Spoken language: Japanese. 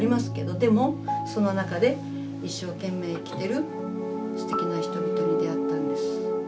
でもその中で一生懸命生きてるすてきな人々に出会ったんです。